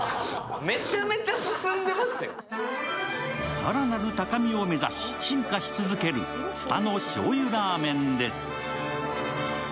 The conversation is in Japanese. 更なる高みを目指し、進化し続ける蔦のしょうゆラーメンです。